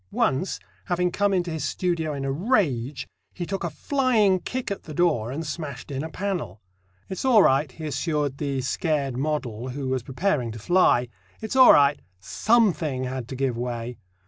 Once, having come into his studio in a rage, he "took a flying kick at the door, and smashed in a panel." "It's all right," he assured the scared model, who was preparing to fly; "it's all right something had to give way."